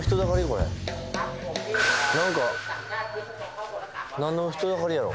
これなんかなんの人だかりやろ？